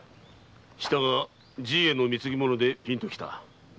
したがじいへの貢ぎ物でピンときた。